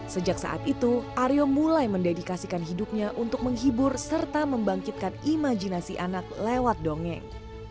sejak saat itu aryo mulai mendedikasikan hidupnya untuk menghibur serta membangkitkan imajinasi anak lewat dongeng